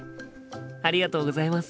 ありがとうございます。